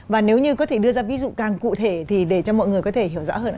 và nếu như có thể đưa ra ví dụ càng cụ thể thì để cho mọi người có thể hiểu rõ hơn